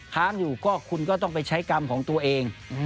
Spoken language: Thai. ค้างอยู่ก็คุณก็ต้องไปใช้กรรมของตัวเอง